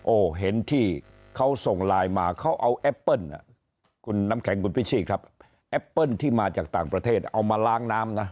เห็นที่เขาส่งไลน์มาเขาเอาแอปเปิ้ลคุณน้ำแข็งคุณพิชชี่ครับแอปเปิ้ลที่มาจากต่างประเทศเอามาล้างน้ำนะ